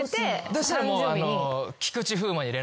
そしたらもう。